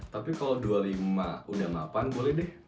tapi kalau dua puluh lima udah mapan boleh deh